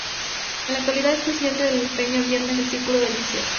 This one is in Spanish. En la actualidad es presidente de la Peña Viernes del Círculo del Liceo.